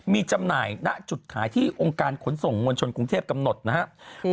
มีจำหน่ายณจุดขายที่องค์การขนส่งมวลชนกรุงเทพกำหนดนะครับ